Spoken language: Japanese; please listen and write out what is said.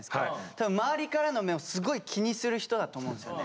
多分周りからの目をすごい気にする人だと思うんですよね。